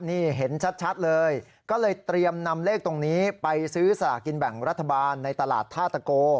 นี่เห็นชัดเลยก็เลยเตรียมนำเลขตรงนี้ไปซื้อสลากินแบ่งรัฐบาลในตลาดท่าตะโก